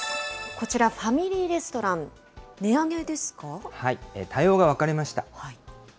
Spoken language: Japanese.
こちら、ファミリーレストラン、対応が分かれました。